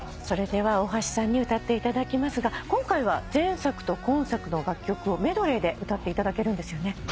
それでは大橋さんに歌っていただきますが今回は前作と今作の楽曲をメドレーで歌っていただけるんですよね。